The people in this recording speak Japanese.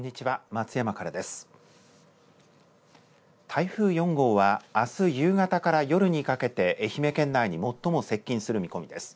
台風４号は、あす夕方から夜にかけて愛媛県内に最も接近する見込みです。